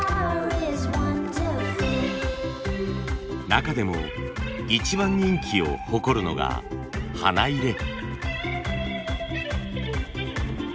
中でも一番人気を誇るのが花入れ。